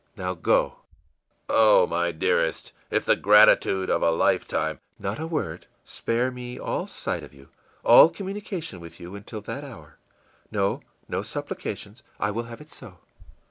NOW GO!î ìOh, my dearest, if the gratitude of a lifetime î ìNot a word. Spare me all sight of you, all communication with you, until that hour. No no supplications; I will have it so.